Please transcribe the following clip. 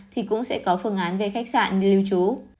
thì cũng sẽ có phương án về khách sạn nơi lưu trú